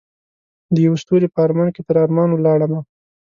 دیوه ستوری په ارمان کې تر ارمان ولاړمه